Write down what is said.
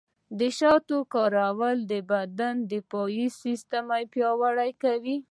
د شاتو کارول د بدن دفاعي سیستم پیاوړی کوي.